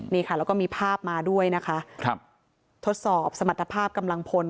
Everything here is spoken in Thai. นี่ค่ะแล้วก็มีภาพมาด้วยนะคะครับทดสอบสมรรถภาพกำลังพล